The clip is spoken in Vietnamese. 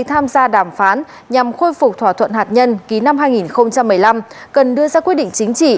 tham gia đàm phán nhằm khôi phục thỏa thuận hạt nhân ký năm hai nghìn một mươi năm cần đưa ra quyết định chính trị